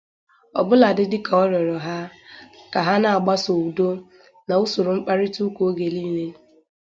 ọbụladị dịka ọ rịọrọ ha ka ha na-agbaso udo nà usoro mkparịtaụka oge niile